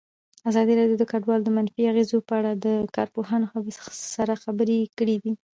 ازادي راډیو د کډوال د منفي اغېزو په اړه له کارپوهانو سره خبرې کړي.